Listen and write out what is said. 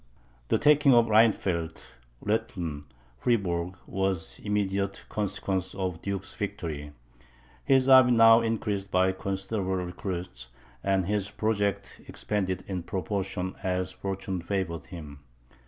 The taking of Rhinefeldt, Roeteln, and Fribourg, was the immediate consequence of the duke's victory. His army now increased by considerable recruits, and his projects expanded in proportion as fortune favoured him.